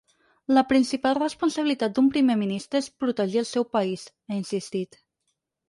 “La principal responsabilitat d’un primer ministre és protegir el seu país”, ha insistit.